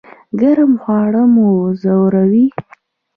ګرم خواړه مو ځوروي؟